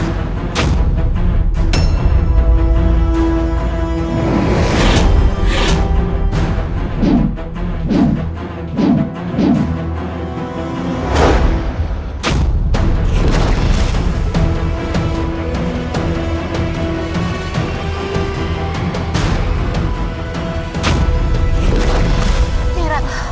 berani kau menantang penitahku